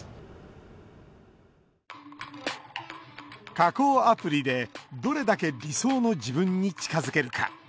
加工アプリでどれだけ理想の自分に近づけるか。